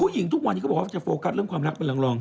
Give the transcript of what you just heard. ผู้หญิงทุกวันที่เขาบอกว่าจะโฟกัสเรื่องความรักเป็นร่าง